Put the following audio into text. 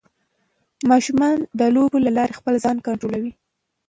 ماشومان د لوبو له لارې خپل ځان کنټرولوي.